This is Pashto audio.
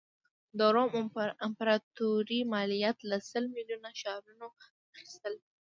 د روم امپراتوري مالیات له سل میلیونه ښاریانو اخیستل.